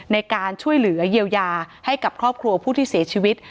ในการช่วยเหลือเยียวยาให้กับครอบครัวผู้ที่เสียชีวิต